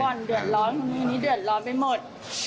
เจ้าของบ่อนเดือดร้อนคนโน้นคนนี้เดือดร้อนไปหมด